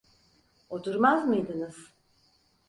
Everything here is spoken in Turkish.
Oturmaz mıydınız?